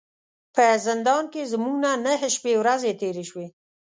په زندان کې زموږ نه نهه شپې ورځې تیرې شوې.